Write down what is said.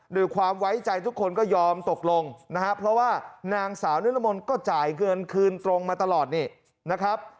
โดยความไว้ใจทุกคนก็ยอมตกลงนะครับเพราะว่านางสาวนิรมนต์ก็จ่ายเงินคืนตรงมาตลอดนี่นะครับ